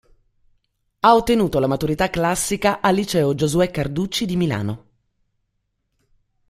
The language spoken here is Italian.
Ha ottenuto la maturità classica al Liceo Giosuè Carducci di Milano.